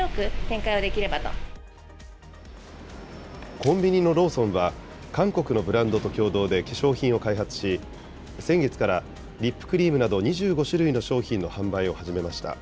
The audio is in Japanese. コンビニのローソンは、韓国のブランドと共同で化粧品を開発し、先月からリップクリームなど２５種類の商品の販売を始めました。